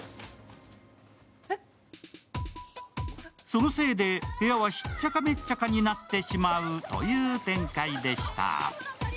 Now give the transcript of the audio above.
そのせいで部屋がしっちゃかめっちゃかになってしまうという展開でした。